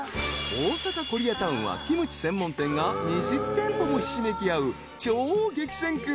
［大阪コリアタウンはキムチ専門店が２０店舗もひしめき合う超激戦区］